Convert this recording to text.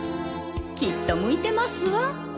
きっと向いてますわ。